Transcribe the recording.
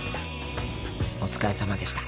お疲れさまでした。